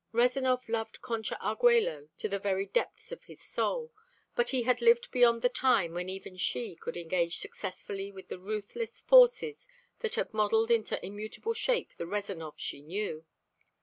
Rezanov loved Concha Arguello to the very depths of his soul, but he had lived beyond the time when even she could engage successfully with the ruthless forces that had molded into immutable shape the Rezanov she knew.